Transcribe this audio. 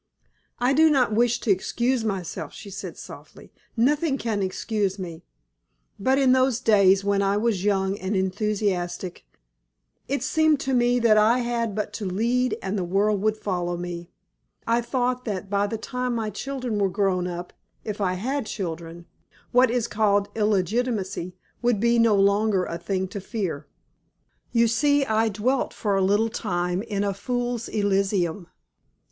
"I do not wish to excuse myself," she said, softly; "nothing can excuse me. But in those days, when I was young and enthusiastic, it seemed to me that I had but to lead and the world would follow me. I thought that by the time my children were grown up if I had children what is called illegitimacy would be no longer a thing to fear. You see I dwelt for a little time in a fool's elysium.